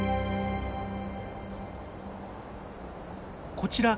こちら。